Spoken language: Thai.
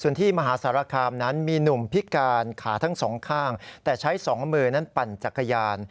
ส่วนที่มหาสารคามนั้นมีหนุ่มพิการขาทั้งสองข้างแต่ใช้สองมือนั้นปั่นจักรยาน